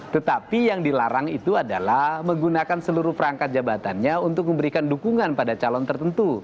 tetapi yang dilarang itu adalah menggunakan seluruh perangkat jabatannya untuk memberikan dukungan pada calon tertentu